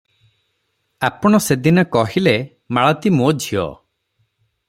ଆପଣ ସେ ଦିନ କହିଲେ, ମାଳତୀ ମୋ ଝିଅ ।